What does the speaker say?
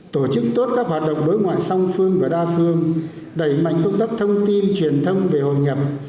tổ chức tốt các hoạt động đối ngoại song phương và đa phương đẩy mạnh công tác thông tin truyền thông về hội nhập